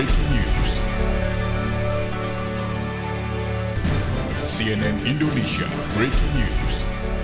cnn indonesia breaking news